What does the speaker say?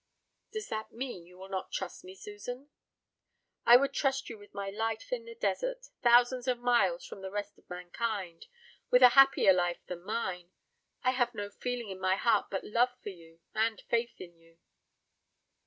"Does that mean that you will not trust me, Susan?" "I would trust you with my life in a desert, thousands of miles from the rest of mankind with a happier life than mine. I have no feeling in my heart but love for you, and faith in you."